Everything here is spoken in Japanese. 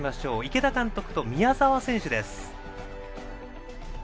池田監督と宮澤選手です。